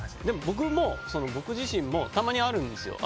僕自身もたまにあるんですよ。